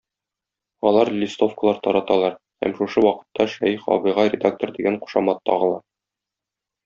Алар листовкалар тараталар һәм шушы вакытта Шәех абыйга редактор дигән кушамат тагыла.